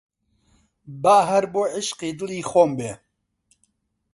با هەر بۆ عیشقی دڵی خۆم بێ